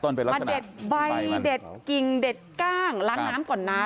มาเด็ดใบเด็ดกิ่งเด็ดกล้างล้างน้ำก่อนนะ